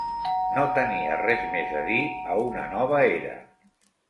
No tenia res més a dir a una nova era.